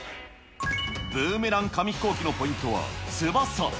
ブーメラン紙飛行機のポイントは翼。